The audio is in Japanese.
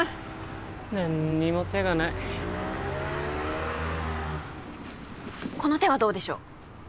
何にも手がないこの手はどうでしょう？